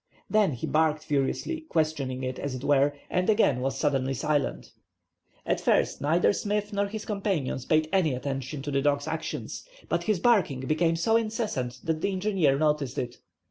Then he barked furiously, questioning it, as it were, and again was suddenly silent. At first neither Smith nor his companions paid any attention to the dog's actions, but his barking became so incessant, that the engineer noticed it.